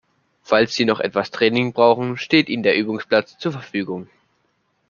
Falls Sie noch etwas Training brauchen, steht Ihnen der Übungsplatz zur Verfügung.